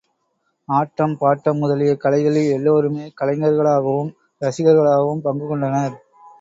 ஆட்டம், பாட்டு முதலிய கலைகளில் எல்லோருமே கலைஞர்களாகவும், ரசிகர்களாகவும் பங்கு கொண்டனர்.